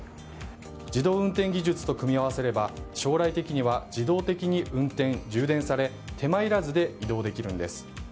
自動運転技術と組み合わせれば将来的には自動的に運転・充電され手間いらずで移動できるんです。